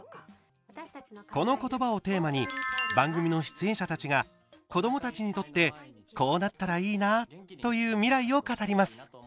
この言葉をテーマに番組の出演者たちが子どもたちにとってこうなったらいいなという未来を語ります。